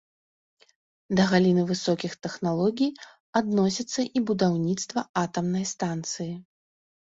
Да галіны высокіх тэхналогій адносіцца і будаўніцтва атамнай станцыі.